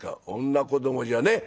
「女子どもじゃねえ！